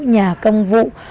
nhà công vụ